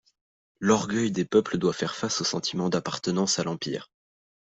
L'orgueil des peuples doit faire face au sentiment d'appartenance à l'Empire.